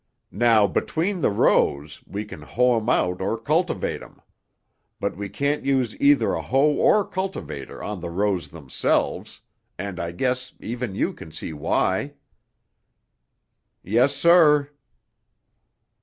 Now, between the rows we can hoe 'em out or cultivate 'em. But we can't use either a hoe or cultivator on the rows themselves, and I guess even you can see why." "Yes, sir."